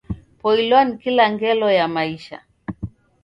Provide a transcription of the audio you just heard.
Poilwa ni kila ngelo ya maisha.